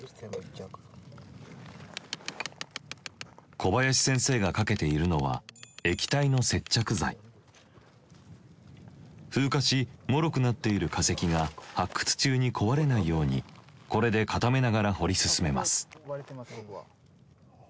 小林先生がかけているのは風化しもろくなっている化石が発掘中に壊れないようにこれで固めながら掘り進めます。